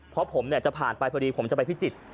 แล้วแบบก็ผ่านไปพอดีผมจะไปพิจิตร